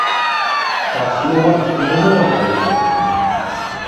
Tās lodes viņu nogalinās!